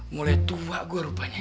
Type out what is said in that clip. mulai tua gue rupanya